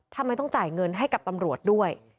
ทำไมต้องจ่ายเงินให้กับตำรวจด้วย